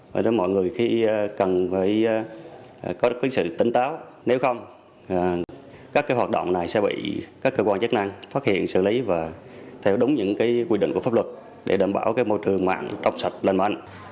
vậy nên mọi người khi cần phải có cái sự tính táo nếu không các cái hoạt động này sẽ bị các cơ quan chức năng phát hiện xử lý và theo đúng những cái quy định của pháp luật để đảm bảo cái môi trường mạng trong sạch lanh mạnh